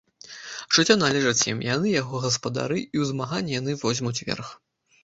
Жыццё належыць ім, яны яго гаспадары і ў змаганні яны возьмуць верх.